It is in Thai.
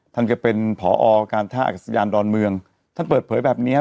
แกเป็นผอการท่าอากาศยานดอนเมืองท่านเปิดเผยแบบเนี้ย